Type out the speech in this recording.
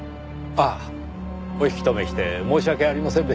ああお引き留めして申し訳ありませんでしたね。